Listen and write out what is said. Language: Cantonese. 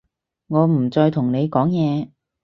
我唔再同你講嘢